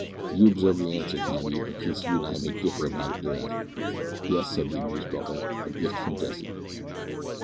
You observe the answer, cabby, in case you and I may differ about it 'ereafter." "Yes," said the amused butler, "a gift from Jessie."